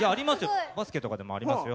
バスケとかでもありますよ。